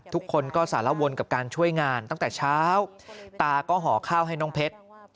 ทุกคนก็สารวนกับการช่วยงานตั้งแต่เช้าตาก็ห่อข้าวให้น้องเพชร